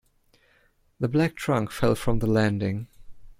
The black trunk fell from the landing.